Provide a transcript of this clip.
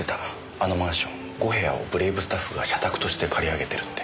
あのマンション５部屋をブレイブスタッフが社宅として借り上げてるって。